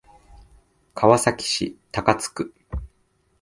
川崎市高津区